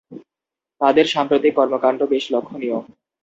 তাদের সাম্প্রতিক কর্মকাণ্ড বেশ লক্ষণীয়।